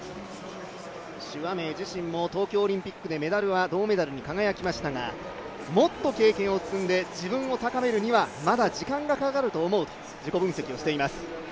朱亜明自身も東京オリンピックは銅メダルに輝きましたが、自分を高めるにはまだ時間がかかると思うと自己分析をしています。